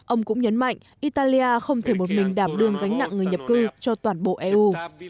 ông cũng nhấn mạnh italia không thể một mình đảm đương gánh nặng người nhập cư cho toàn bộ eu